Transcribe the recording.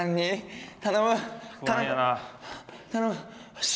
よし！